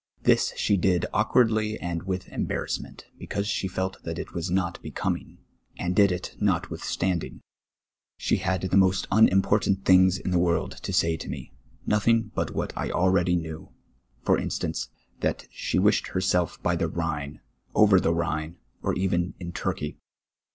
This she did awkwardly and with embarrassment, because she felt that it was not becoming, and did it notwith standing. She had the most unimportant things in the world to say to me — nothing but what I knew already ; for instiince, that she wished herself by the Rhine, over the Khine, or even in Turkey.